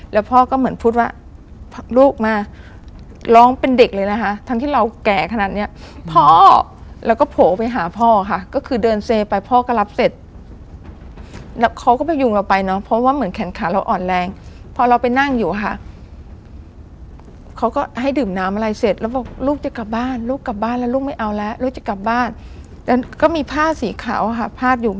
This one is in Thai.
แล้วพ่อก็เหมือนพูดว่าลูกมาร้องเป็นเด็กเลยนะคะทั้งที่เราแก่ขนาดเนี้ยพ่อแล้วก็โผล่ไปหาพ่อค่ะก็คือเดินเซไปพ่อก็รับเสร็จแล้วเขาก็พยุงเราไปเนาะเพราะว่าเหมือนแขนขาเราอ่อนแรงพอเราไปนั่งอยู่อะค่ะเขาก็ให้ดื่มน้ำอะไรเสร็จแล้วบอกลูกจะกลับบ้านลูกกลับบ้านแล้วลูกไม่เอาแล้วลูกจะกลับบ้านแล้วก็มีผ้าสีขาวค่ะพาดอยู่